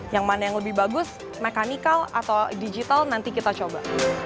yang mana yang lebih bagus mekanikal atau digital nanti kita coba